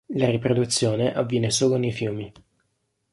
La riproduzione avviene solo nei fiumi.